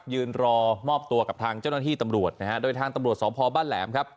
ยืนรอมอบตัวกับทางเจ้าหน้าที่ตำรวจนะฮะโดยทางตำรวจสพบ้านแหลมครับ